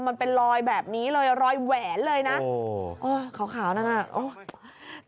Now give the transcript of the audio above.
มันเป็นรอยแบบนี้เลยรอยแหวนเลยนะขาวขาวนั่นน่ะโอ้ย